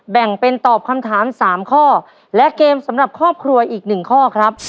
แบ่งเป็นตอบคำถามสามข้อและเกมสำหรับครอบครัวอีกหนึ่งข้อครับ